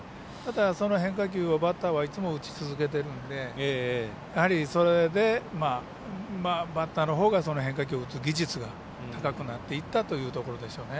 その変化球をバッターはいつも打ち続けているんでやはり、それでバッターのほうが変化球を打つ技術が高くなっていったというところでしょうね。